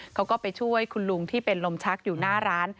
เขาก็ไปช่วยคุณลุงที่เป็นลมชักอยู่หน้าร้าน